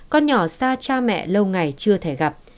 con nhỏ xa cha mẹ lâu ngày chưa thể gặp